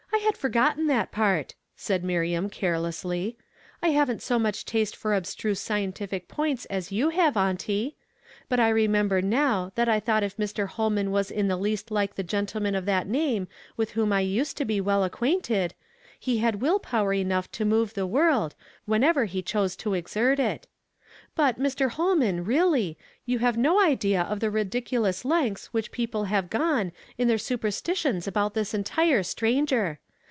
r had forgotten that part," said Miriam care lessly. " I haven't so much ta'^te for abstruse scien tific points as you have, auntie ; but I remember now that I thought if Mr. Holman was in the least like the gentleman of that name with whom I used to be well accjuainted, he had will power enough to move the world, whenever he chose to exert it. But, Mr. Holman, really, you have no idea of the ridiculous lengths which the people have gone in their superstitions about this entire stranger.